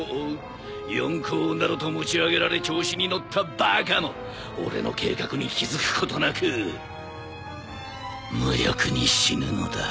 四皇などと持ち上げられ調子に乗ったバカも俺の計画に気付くことなく無力に死ぬのだ。